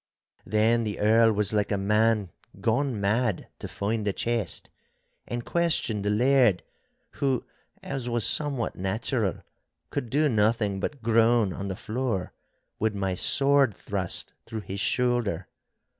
Then the Earl was like a man gone mad to find the chest, and questioned the Laird, who, as was somewhat natural, could do nothing but groan on the floor, with my sword thrust through his shoulder.